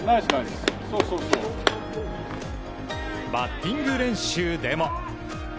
バッティング練習でも。